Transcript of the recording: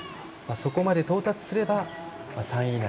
そこまで到達すれば３位以内。